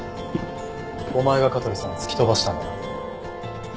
お前が香取さんを突き飛ばしたんだな。